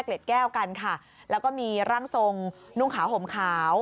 แก้วกันค่ะแล้วก็มีร่างทรงนุ่งขาวห่มขาว